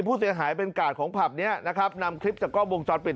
ผู้เสียหายเป็นกาดของผับเนี้ยนะครับนำคลิปจากกล้องวงจรปิด